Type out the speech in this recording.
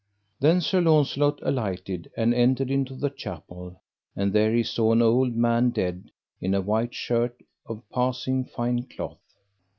Then Sir Launcelot alighted and entered into the chapel, and there he saw an old man dead, in a white shirt of passing fine cloth.